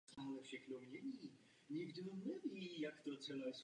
Výrazné obavy vzbudila dohoda u evropských chovatelů skotu.